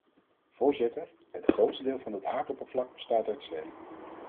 Voorzitter, het grootste deel van het aardoppervlak bestaat uit zee.